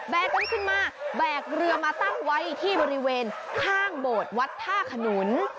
กันขึ้นมาแบกเรือมาตั้งไว้ที่บริเวณข้างโบสถ์วัดท่าขนุน